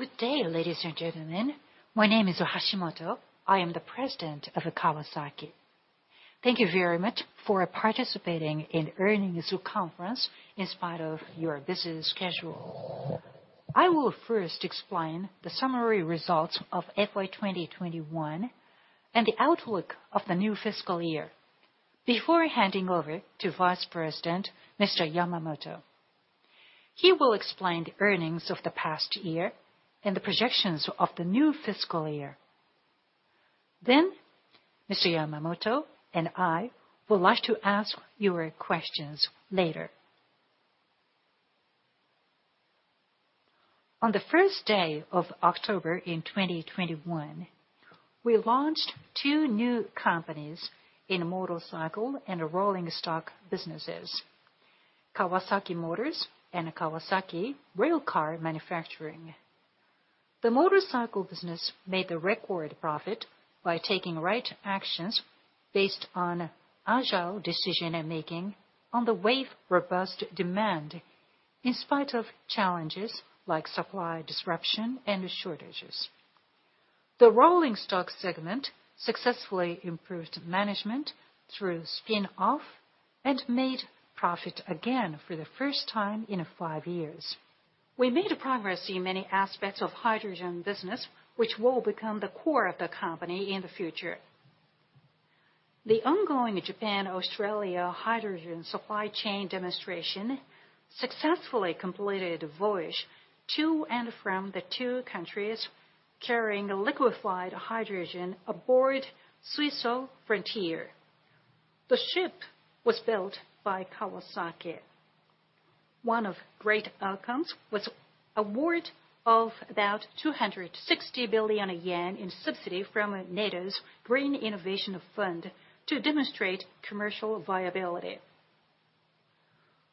Good day, ladies and gentlemen. My name is Hashimoto. I am the president of Kawasaki. Thank you very much for participating in earnings conference in spite of your busy schedule. I will first explain the summary results of FY 2021, and the outlook of the new fiscal year before handing over to Vice President Mr. Yamamoto. He will explain the earnings of the past year and the projections of the new fiscal year. Then Mr. Yamamoto and I would like to answer your questions later. On the first day of October in 2021, we launched two new companies in motorcycle and rolling stock businesses, Kawasaki Motors and Kawasaki Railcar Manufacturing. The motorcycle business made a record profit by taking right actions based on agile decision-making on the wave of robust demand, in spite of challenges like supply disruption and shortages. The Rolling Stock segment successfully improved management through spin-off and made profit again for the first time in five years. We made progress in many aspects of hydrogen business, which will become the core of the company in the future. The ongoing Japan-Australia hydrogen supply chain demonstration successfully completed a voyage to and from the two countries carrying liquefied hydrogen aboard Suiso Frontier. The ship was built by Kawasaki. One of great outcomes was award of about 260 billion yen in subsidy from NEDO's Green Innovation Fund to demonstrate commercial viability.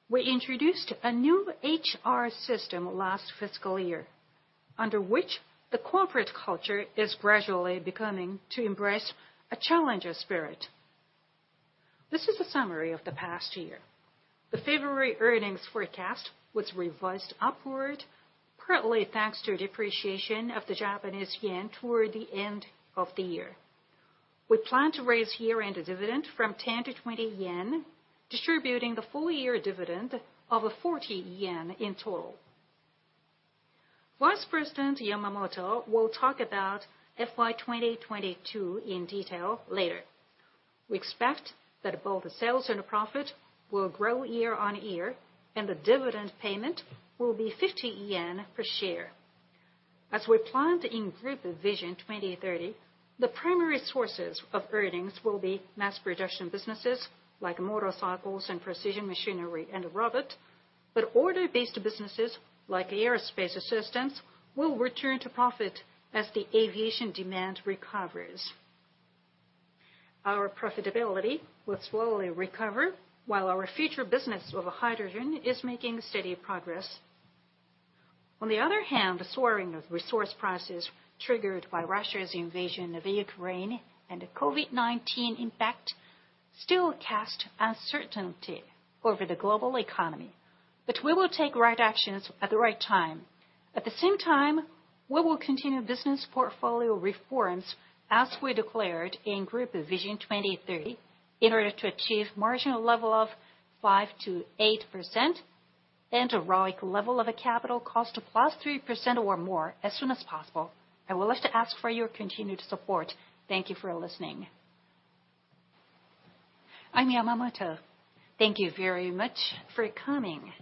We introduced a new HR system last fiscal year, under which the corporate culture is gradually becoming to embrace a challenger spirit. This is a summary of the past year. The February earnings forecast was revised upward, partly thanks to depreciation of the Japanese yen toward the end of the year. We plan to raise year-end dividend from 10-20 yen, distributing the full year dividend of 40 yen in total. Vice President Yamamoto will talk about FY 2022 in detail later. We expect that both sales and profit will grow year-on-year, and the dividend payment will be 50 yen per share. As we planned in Group Vision 2030, the primary sources of earnings will be mass production businesses like motorcycles and Precision Machinery and Robot. Order-based businesses, like Aerospace Systems, will return to profit as the aviation demand recovers. Our profitability will slowly recover while our future business of hydrogen is making steady progress. On the other hand, the soaring of resource prices triggered by Russia's invasion of Ukraine and the COVID-19 impact still cast uncertainty over the global economy. We will take right actions at the right time. At the same time, we will continue business portfolio reforms as we declared in Group Vision 2030, in order to achieve margin level of 5%-8% and a ROIC level of a capital cost of +3% or more as soon as possible. I would like to ask for your continued support. Thank you for listening. I'm Yamamoto. Thank you very much for coming.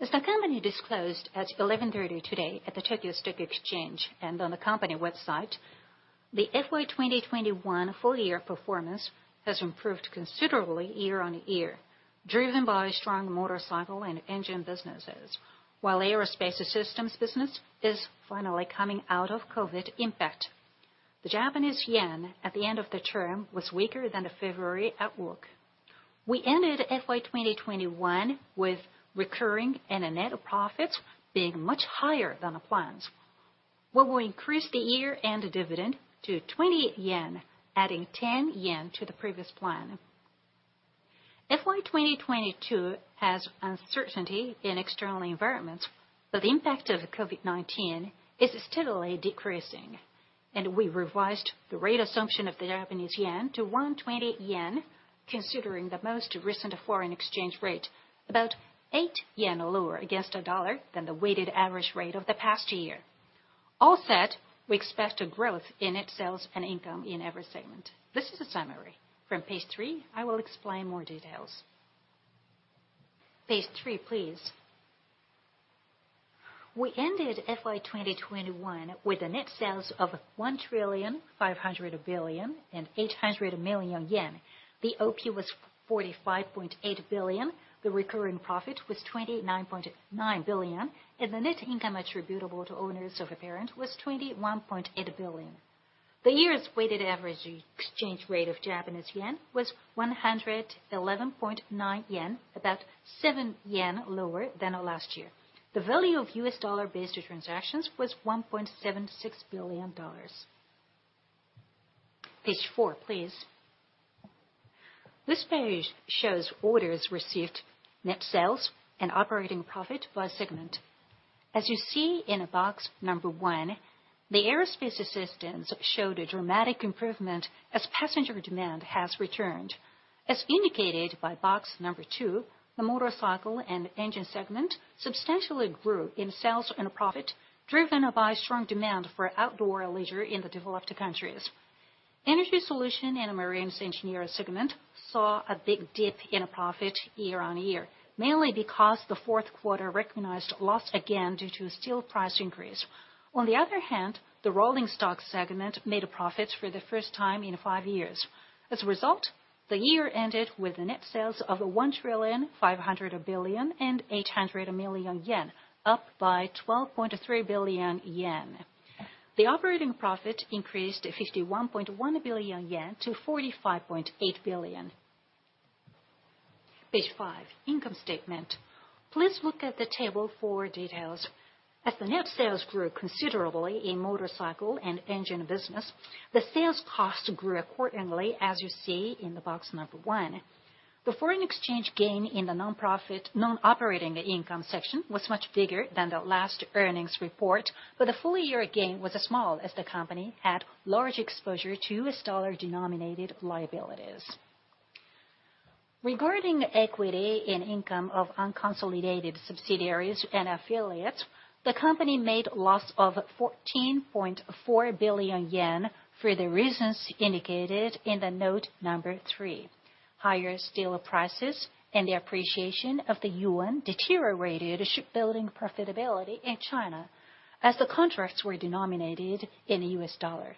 As the company disclosed at 11:30 today at the Tokyo Stock Exchange and on the company website, the FY 2021 full year performance has improved considerably year-on-year, driven by strong Motorcycle & Engine businesses, while Aerospace Systems business is finally coming out of COVID-19 impact. The Japanese yen at the end of the term was weaker than the February outlook. We ended FY 2021 with recurring and the net profits being much higher than the plans. We will increase the year-end dividend to 20 yen, adding 10 yen to the previous plan. FY 2022 has uncertainty in external environments, but the impact of COVID-19 is steadily decreasing, and we revised the rate assumption of the Japanese yen to 120 yen, considering the most recent foreign exchange rate, about 8 yen lower against the dollar than the weighted average rate of the past year. All said, we expect a growth in net sales and income in every segment. This is a summary. From page three, I will explain more details. Page three, please. We ended FY 2021 with a net sales of 1.5008 trillion. The OP was 45.8 billion. The recurring profit was 29.9 billion, and the net income attributable to owners of a parent was 21.8 billion. The year's weighted average exchange rate of Japanese yen was 111.9 yen, about 7 yen lower than last year. The value of US dollar-based transactions was $1.76 billion. Page four, please. This page shows orders received, net sales, and operating profit by segment. As you see in box number one, the Aerospace Systems showed a dramatic improvement as passenger demand has returned. As indicated by box number two, the Motorcycle & Engine segment substantially grew in sales and profit, driven by strong demand for outdoor leisure in the developed countries. Energy Solution & Marine Engineering segment saw a big dip in profit year-on-year, mainly because the fourth quarter recognized loss again due to steel price increase. On the other hand, the Rolling Stock segment made a profit for the first time in five years. As a result, the year ended with net sales of 1,500.8 billion, up by 12.3 billion yen. The operating profit increased 51.1 billion yen to 45.8 billion. Page five, income statement. Please look at the table for details. As the net sales grew considerably in motorcycle and engine business, the sales cost grew accordingly, as you see in the box number one. The foreign exchange gain in the non-operating income section was much bigger than the last earnings report, but the full year gain was small as the company had large exposure to US dollar-denominated liabilities. Regarding equity and income of unconsolidated subsidiaries and affiliates, the company made loss of 14.4 billion yen for the reasons indicated in the note number three. Higher steel prices and the appreciation of the yuan deteriorated shipbuilding profitability in China as the contracts were denominated in U.S. dollar.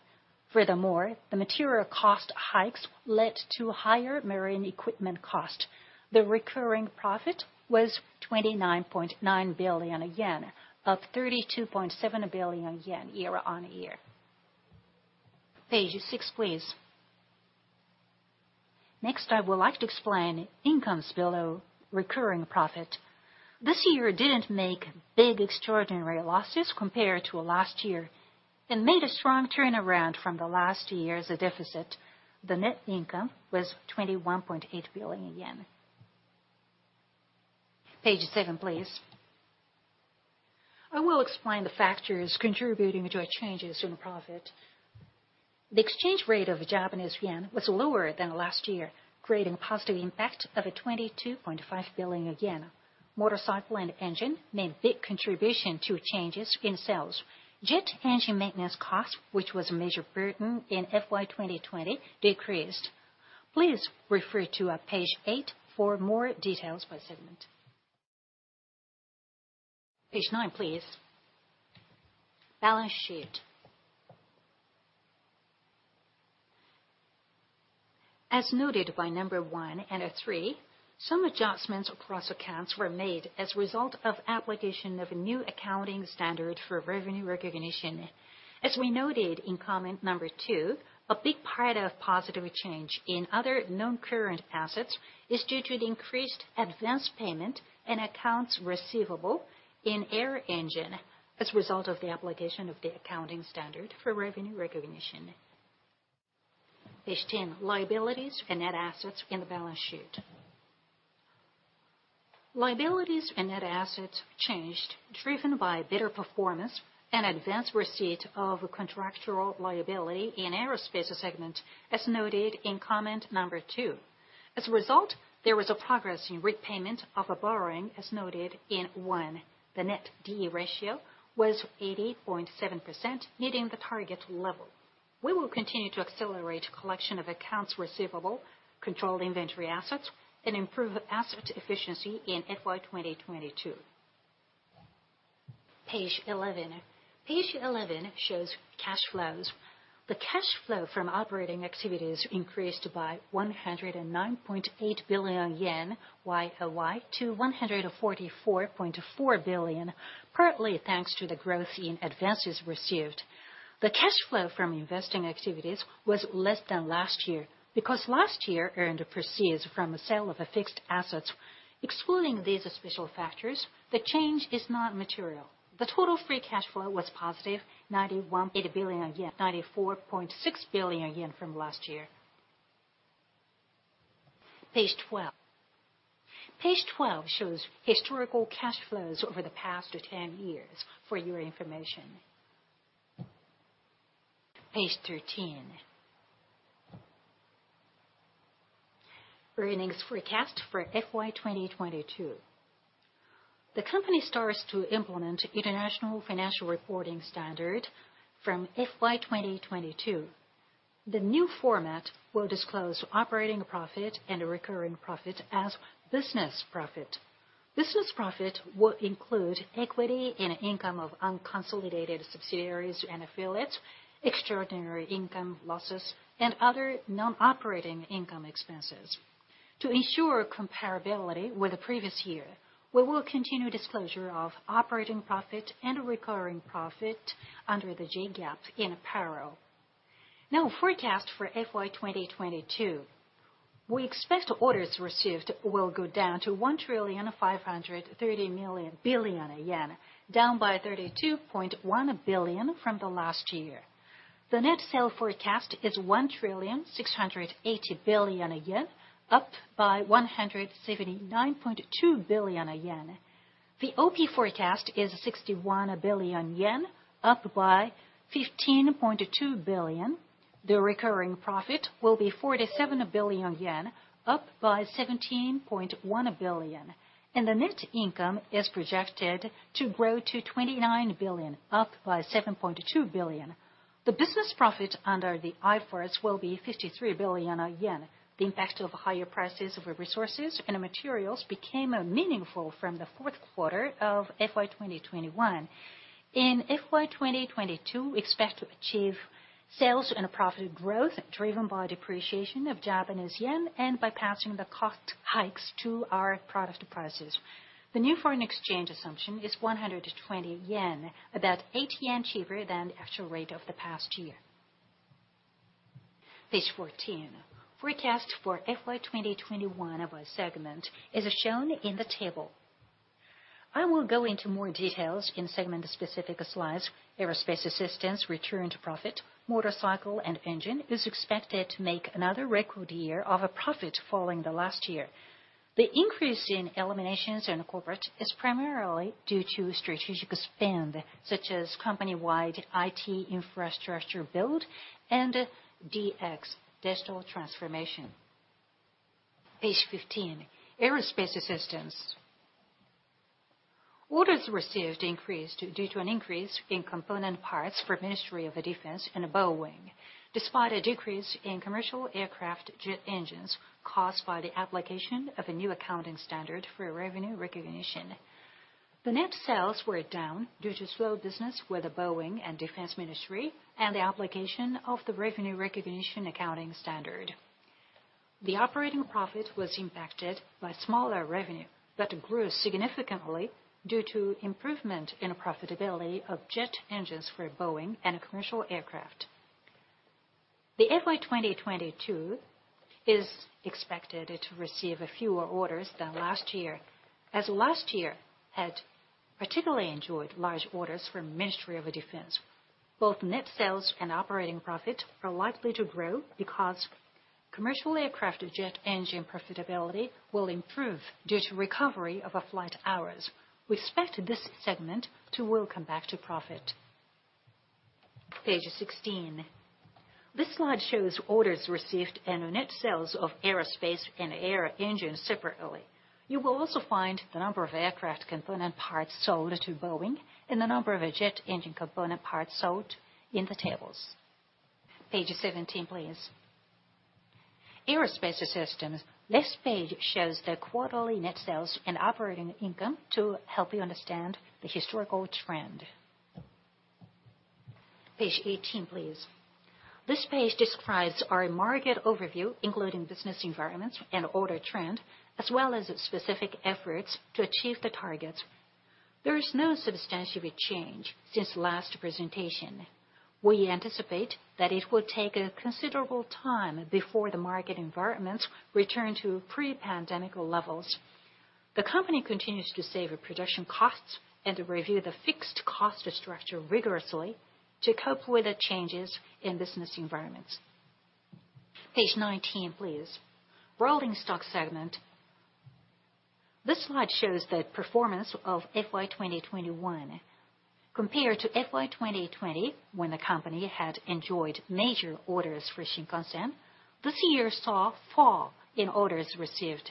Furthermore, the material cost hikes led to higher marine equipment cost. The recurring profit was 29.9 billion yen, up 32.7 billion yen year-on-year. Page six, please. Next, I would like to explain incomes below recurring profit. This year didn't make big extraordinary losses compared to last year and made a strong turnaround from the last year's deficit. The net income was 21.8 billion yen. Page seven, please. I will explain the factors contributing to changes in profit. The exchange rate of Japanese yen was lower than last year, creating a positive impact of 22.5 billion yen. Motorcycle & Engine made big contribution to changes in sales. Jet engine maintenance cost, which was a major burden in FY 2020, decreased. Please refer to page eight for more details by segment. Page nine, please. Balance sheet. As noted by number one and three, some adjustments across accounts were made as a result of application of new accounting standard for revenue recognition. As we noted in comment number two, a big part of positive change in other non-current assets is due to the increased advance payment and accounts receivable in Aero Engine as a result of the application of the accounting standard for revenue recognition. Page 10, liabilities and net assets in the balance sheet. Liabilities and net assets changed driven by better performance and advance receipt of contractual liability in Aerospace segment, as noted in comment number two. As a result, there was a progress in repayment of borrowing, as noted in one. The net D/E ratio was 80.7, meeting the target level. We will continue to accelerate collection of accounts receivable, control inventory assets, and improve asset efficiency in FY 2022. Page eleven. Page eleven shows cash flows. The cash flow from operating activities increased by 109.8 billion yen YOY to 144.4 billion, partly thanks to the growth in advances received. The cash flow from investing activities was less than last year because last year earned proceeds from the sale of fixed assets. Excluding these special factors, the change is not material. The total free cash flow was positive, 91 billion yen, 94.6 billion yen from last year. Page twelve. Page twelve shows historical cash flows over the past 10 years for your information. Page thirteen. Earnings forecast for FY 2022. The company starts to implement International Financial Reporting Standards from FY 2022. The new format will disclose operating profit and recurring profit as business profit. Business profit will include equity in income of unconsolidated subsidiaries and affiliates, extraordinary income losses, and other non-operating income expenses. To ensure comparability with the previous year, we will continue disclosure of operating profit and recurring profit under the JGAAP in parallel. Now, forecast for FY 2022. We expect orders received will go down to 1,530 billion yen, down 32.1 billion from last year. The net sales forecast is 1,680 billion yen, up 179.2 billion yen. The OP forecast is 61 billion yen, up 15.2 billion. The recurring profit will be 47 billion yen, up by 17.1 billion, and the net income is projected to grow to 29 billion, up by 7.2 billion. The business profit under the IFRS will be 53 billion yen. The impact of higher prices of resources and materials became meaningful from the fourth quarter of FY 2021. In FY 2022, expect to achieve sales and a profit growth driven by depreciation of Japanese yen and by passing the cost hikes to our product prices. The new foreign exchange assumption is 120 yen, about eight yen cheaper than the actual rate of the past year. Page 14. Forecast for FY 2021 by segment is shown in the table. I will go into more details in segment specific slides. Aerospace Systems returned to profit. Motorcycle & Engine is expected to make another record year of a profit following the last year. The increase in Eliminations and Corporate is primarily due to strategic spend, such as company-wide IT infrastructure build and DX digital transformation. Page 15, Aerospace Systems. Orders received increased due to an increase in component parts for Ministry of Defense and Boeing, despite a decrease in commercial aircraft jet engines caused by the application of a new accounting standard for revenue recognition. The net sales were down due to slow business with Boeing and Ministry of Defense and the application of the revenue recognition accounting standard. The operating profit was impacted by smaller revenue that grew significantly due to improvement in profitability of jet engines for Boeing and commercial aircraft. The FY 2022 is expected to receive fewer orders than last year, as last year had particularly enjoyed large orders from Ministry of Defense. Both net sales and operating profit are likely to grow because commercial aircraft jet engine profitability will improve due to recovery of flight hours. We expect this segment to welcome back to profit. Page 16. This slide shows orders received and net sales of aerospace and aero engines separately. You will also find the number of aircraft component parts sold to Boeing and the number of jet engine component parts sold in the tables. Page 17, please. Aerospace Systems. This page shows the quarterly net sales and operating income to help you understand the historical trend. Page 18, please. This page describes our market overview, including business environments and order trend, as well as specific efforts to achieve the targets. There is no substantial change since last presentation. We anticipate that it will take a considerable time before the market environments return to pre-pandemic levels. The company continues to save production costs and to review the fixed cost structure rigorously to cope with the changes in business environments. Page 19, please. Rolling Stock segment. This slide shows the performance of FY 2021. Compared to FY 2020, when the company had enjoyed major orders for Shinkansen, this year saw a fall in orders received.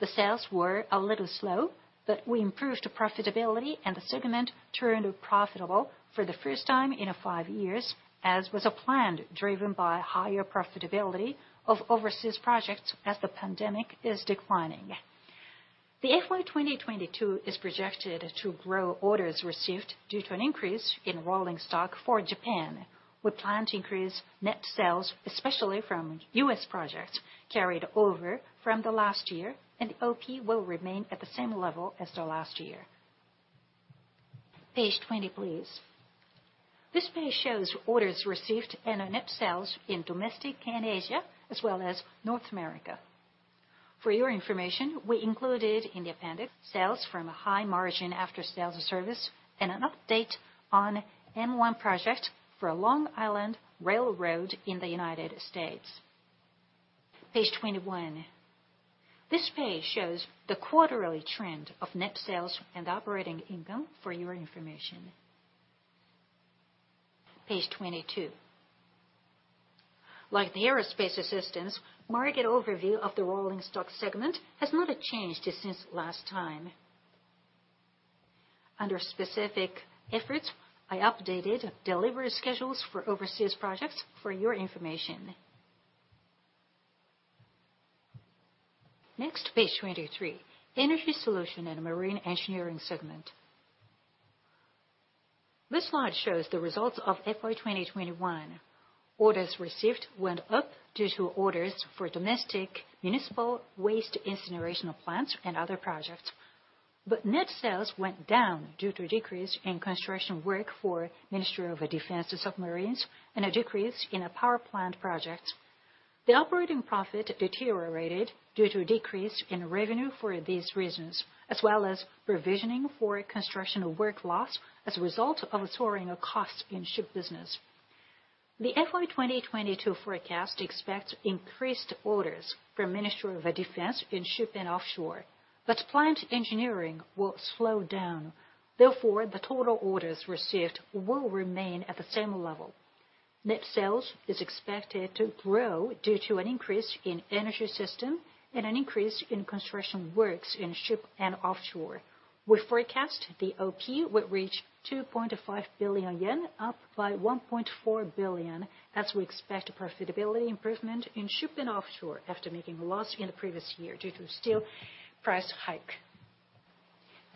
The sales were a little slow, but we improved profitability, and the segment turned profitable for the first time in five years, as was planned, driven by higher profitability of overseas projects as the pandemic is declining. The FY 2022 is projected to grow orders received due to an increase in rolling stock for Japan. We plan to increase net sales, especially from US projects carried over from the last year, and OP will remain at the same level as the last year. Page 20, please. This page shows orders received and net sales in domestic and Asia, as well as North America. For your information, we included in the appendix sales from a high margin after sales service and an update on M1 project for Long Island Rail Road in the United States. Page 21. This page shows the quarterly trend of net sales and operating income for your information. Page 22. Like the Aerospace Systems, market overview of the Rolling Stock segment has not changed since last time. Under specific efforts, I updated delivery schedules for overseas projects for your information. Next, page 23, Energy Solution & Marine Engineering segment. This slide shows the results of FY 2021. Orders received went up due to orders for domestic municipal waste incineration plants and other projects. Net sales went down due to a decrease in construction work for Ministry of Defense submarines and a decrease in a power plant project. The operating profit deteriorated due to a decrease in revenue for these reasons, as well as provisioning for construction work loss as a result of soaring costs in ship business. The FY 2022 forecast expects increased orders from Ministry of Defense in ship and offshore, but plant engineering will slow down. Therefore, the total orders received will remain at the same level. Net sales is expected to grow due to an increase in energy system and an increase in construction works in ship and offshore. We forecast the OP will reach 2.5 billion yen, up by 1.4 billion, as we expect profitability improvement in ship and offshore after making a loss in the previous year due to steel price hike.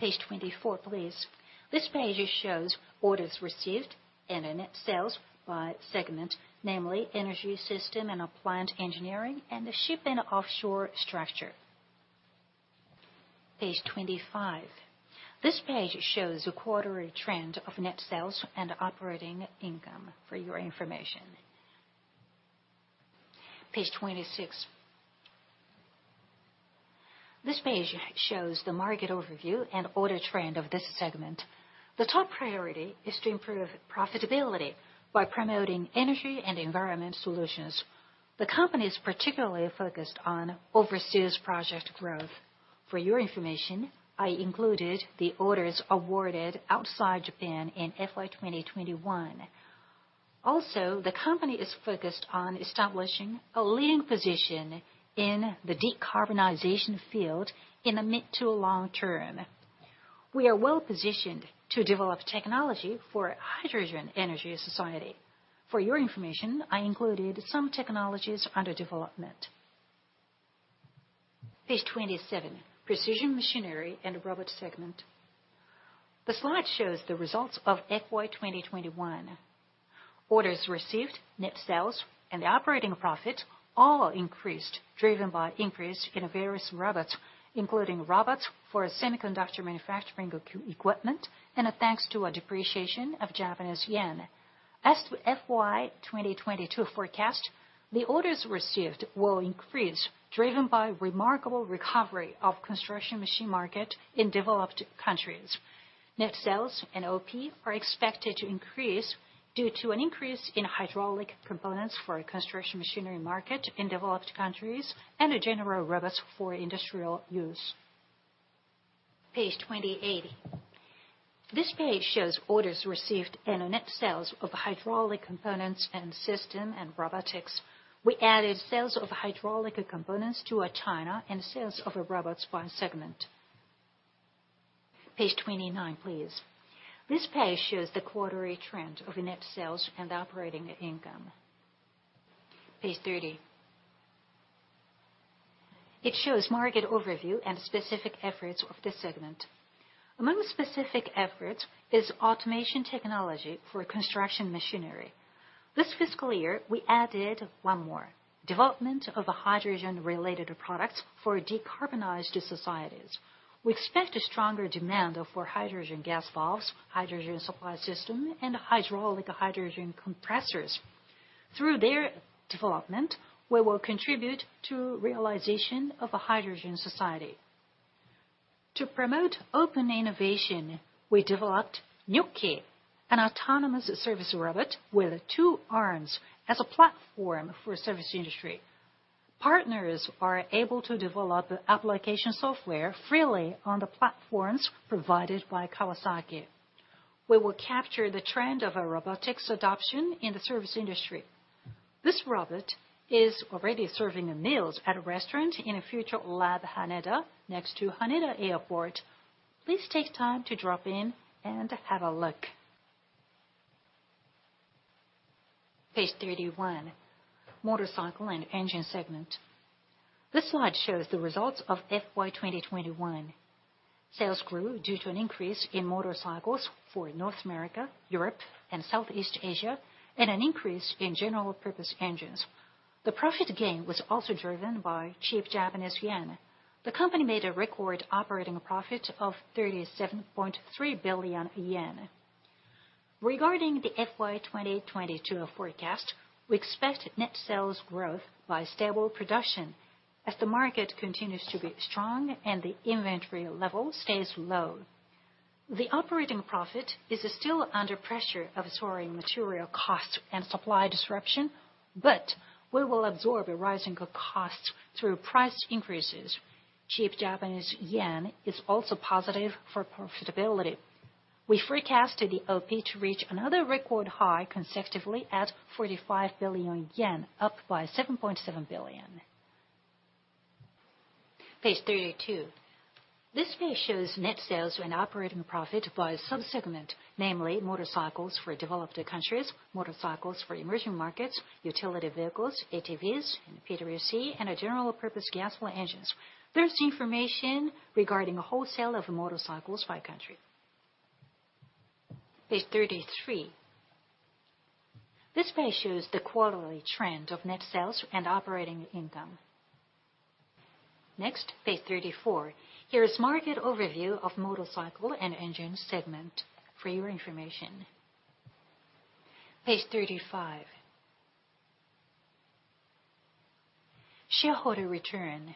Page 24, please. This page shows orders received and in net sales by segment, namely Energy Solution & Marine Engineering and the Ship & Offshore Structure. Page 25. This page shows a quarterly trend of net sales and operating income for your information. Page 26. This page shows the market overview and order trend of this segment. The top priority is to improve profitability by promoting energy and environment solutions. The company is particularly focused on overseas project growth. For your information, I included the orders awarded outside Japan in FY 2021. The company is focused on establishing a leading position in the decarbonization field in the mid to long term. We are well-positioned to develop technology for hydrogen energy society. For your information, I included some technologies under development. Page 27, Precision Machinery and Robot segment. The slide shows the results of FY 2021. Orders received, net sales, and operating profit all increased, driven by increase in various robots, including robots for semiconductor manufacturing equipment, and thanks to a depreciation of Japanese yen. As to FY 2022 forecast, the orders received will increase, driven by remarkable recovery of construction machine market in developed countries. Net sales and OP are expected to increase due to an increase in hydraulic components for construction machinery market in developed countries and general robots for industrial use. Page 28. This page shows orders received and net sales of hydraulic components and systems and robotics. We added sales of hydraulic components to China and sales of robots by segment. Page 29, please. This page shows the quarterly trend of net sales and operating income. Page 30. It shows market overview and specific efforts of this segment. Among specific efforts is automation technology for construction machinery. This fiscal year, we added one more, development of hydrogen-related products for decarbonized societies. We expect a stronger demand for hydrogen gas valves, hydrogen supply system, and hydraulic hydrogen compressors. Through their development, we will contribute to realization of a hydrogen society. To promote open innovation, we developed Nyokkey, an autonomous service robot with two arms as a platform for service industry. Partners are able to develop application software freely on the platforms provided by Kawasaki. We will capture the trend of robotics adoption in the service industry. This robot is already serving meals at a restaurant in Future Lab Haneda next to Haneda Airport. Please take time to drop in and have a look. Page 31, Motorcycle & Engine segment. This slide shows the results of FY 2021. Sales grew due to an increase in motorcycles for North America, Europe, and Southeast Asia, and an increase in general purpose engines. The profit gain was also driven by cheap Japanese yen. The company made a record operating profit of 37.3 billion yen. Regarding the FY 2022 forecast, we expect net sales growth by stable production as the market continues to be strong and the inventory level stays low. The operating profit is still under pressure of soaring material costs and supply disruption, but we will absorb rising costs through price increases. Cheap Japanese yen is also positive for profitability. We forecast the OP to reach another record high consecutively at 45 billion yen, up by 7.7 billion. Page 32. This page shows net sales and operating profit by sub-segment, namely motorcycles for developed countries, motorcycles for emerging markets, utility vehicles, ATVs, and PWC, and general purpose gasoline engines. There's information regarding wholesale of motorcycles by country. Page 33. This page shows the quarterly trend of net sales and operating income. Next, page 34. Here is market overview of motorcycle and engine segment for your information. Page 35. Shareholder return.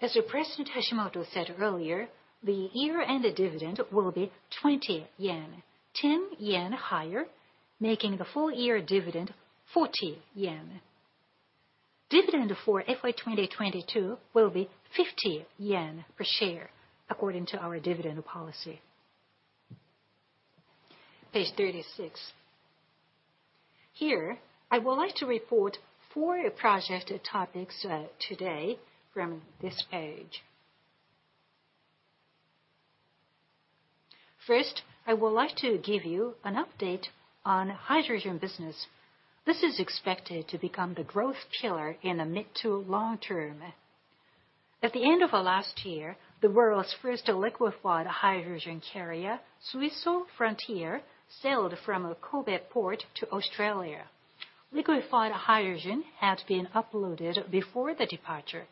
As President Hashimoto said earlier, the year-end dividend will be 20 yen. 10 yen higher, making the full year dividend 40 yen. Dividend for FY 2022 will be 50 yen per share according to our dividend policy. Page 36. Here, I would like to report four project topics, today from this page. First, I would like to give you an update on hydrogen business. This is expected to become the growth pillar in the mid to long term. At the end of last year, the world's first liquefied hydrogen carrier, Suiso Frontier, sailed from Kobe Port to Australia. Liquefied hydrogen had been loaded before the departure.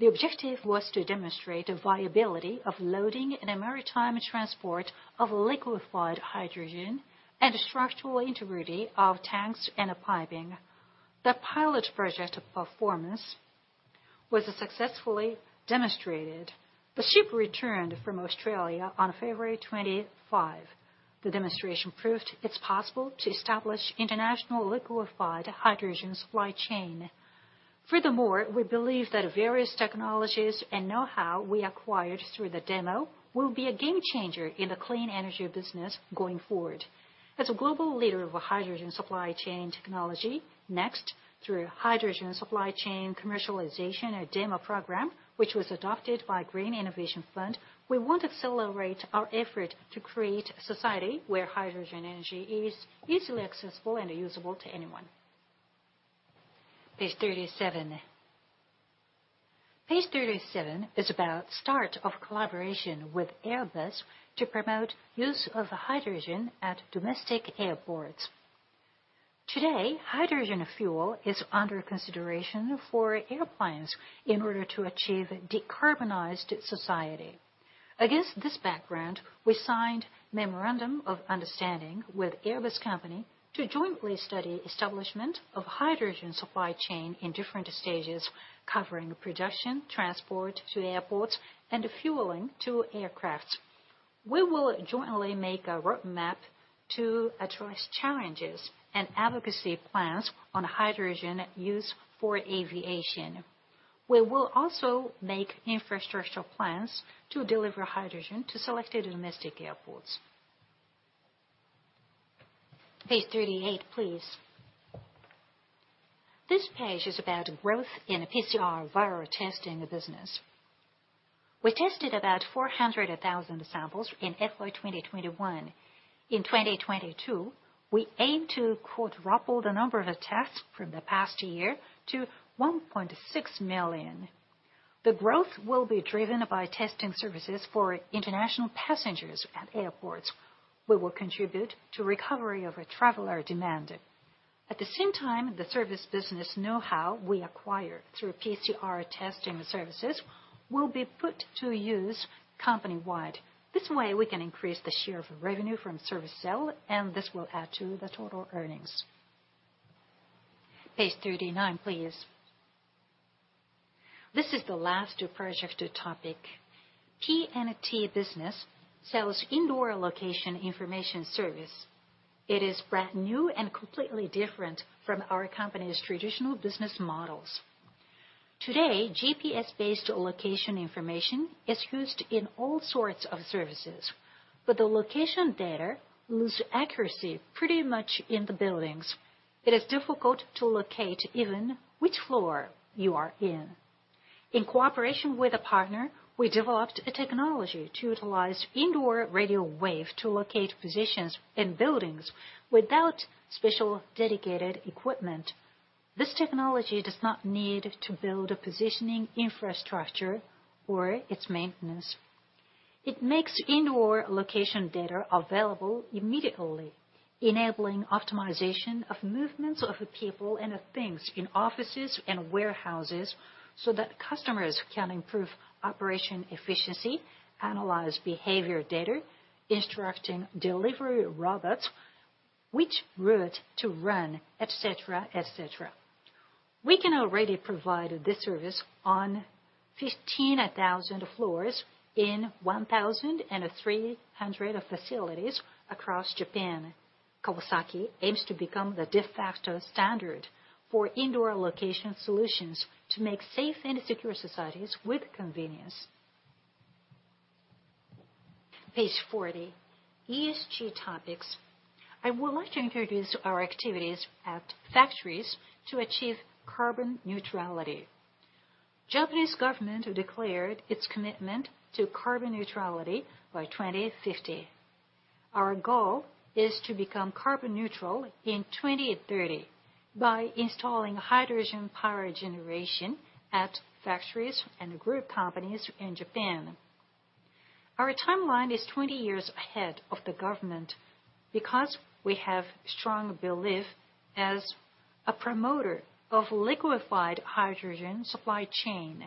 The objective was to demonstrate the viability of loading and a maritime transport of liquefied hydrogen and structural integrity of tanks and piping. The pilot project performance was successfully demonstrated. The ship returned from Australia on February 25. The demonstration proved it's possible to establish international liquefied hydrogen supply chain. Furthermore, we believe that various technologies and know-how we acquired through the demo will be a game changer in the clean energy business going forward. As a global leader of hydrogen supply chain technology, next, through hydrogen supply chain commercialization and demo program, which was adopted by Green Innovation Fund, we want to celebrate our effort to create a society where hydrogen energy is easily accessible and usable to anyone. Page 37. Page 37 is about start of collaboration with Airbus to promote use of hydrogen at domestic airports. Today, hydrogen fuel is under consideration for airplanes in order to achieve a decarbonized society. Against this background, we signed memorandum of understanding with Airbus to jointly study establishment of hydrogen supply chain in different stages, covering production, transport to airports, and fueling to aircraft. We will jointly make a roadmap to address challenges and advocacy plans on hydrogen use for aviation. We will also make infrastructural plans to deliver hydrogen to selected domestic airports. Page 38, please. This page is about growth in PCR viral testing business. We tested about 400,000 samples in FY 2021. In 2022, we aim to quadruple the number of tests from the past year to 1.6 million. The growth will be driven by testing services for international passengers at airports. We will contribute to recovery of a traveler demand. At the same time, the service business knowhow we acquire through PCR testing services will be put to use company-wide. This way, we can increase the share of revenue from service sale, and this will add to the total earnings. Page 39, please. This is the last project topic. iPNT-K business sells indoor location information service. It is brand new and completely different from our company's traditional business models. Today, GPS-based location information is used in all sorts of services, but the location data lose accuracy pretty much in the buildings. It is difficult to locate even which floor you are in. In cooperation with a partner, we developed a technology to utilize indoor radio wave to locate positions in buildings without special dedicated equipment. This technology does not need to build a positioning infrastructure or its maintenance. It makes indoor location data available immediately, enabling optimization of movements of people and of things in offices and warehouses so that customers can improve operation efficiency, analyze behavior data, instructing delivery robots which route to run, et cetera, et cetera. We can already provide this service on 15,000 floors in 1,300 facilities across Japan. Kawasaki aims to become the de facto standard for indoor location solutions to make safe and secure societies with convenience. Page 40. ESG topics. I would like to introduce our activities at factories to achieve carbon neutrality. Japanese government have declared its commitment to carbon neutrality by 2050. Our goal is to become carbon neutral in 2030 by installing hydrogen power generation at factories and group companies in Japan. Our timeline is 20 years ahead of the government because we have strong belief as a promoter of liquefied hydrogen supply chain.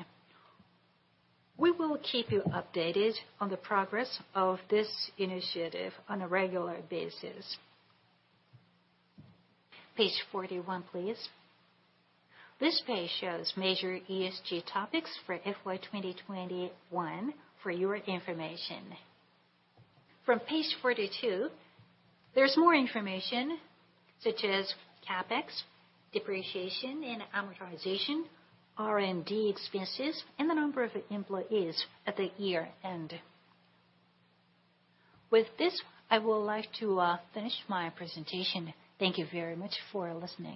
We will keep you updated on the progress of this initiative on a regular basis. Page 41, please. This page shows major ESG topics for FY 2021 for your information. From page 42, there's more information such as CapEx, depreciation and amortization, R&D expenses, and the number of employees at the year-end. With this, I would like to finish my presentation. Thank you very much for listening.